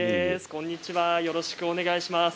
こんにちはよろしくお願いします。